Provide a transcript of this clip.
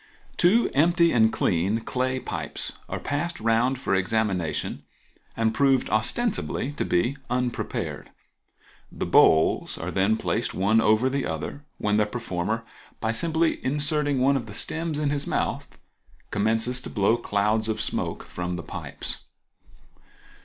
—Two empty and clean clay pipes are passed round for examination and proved ostensibly to be unprepared. The bowls are then placed one over the other, when the performer, by simply inserting one of the stems in his mouth, commences to blow clouds of smoke from the pipes.